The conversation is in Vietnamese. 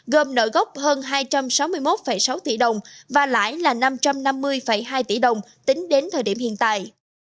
gồm nợ gốc hơn hai trăm sáu mươi một sáu tỷ đồng và lãi là năm trăm năm mươi hai tỷ đồng tính đến thời điểm hiện tại